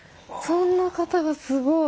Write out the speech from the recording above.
そんな方がすごい。